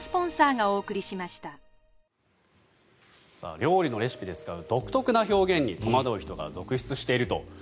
料理のレシピで使う独特な表現に戸惑う人が続出していると。